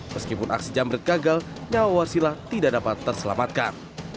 meskipun aksi jambret gagal nyawa huarsilah tidak dapat terselamatkan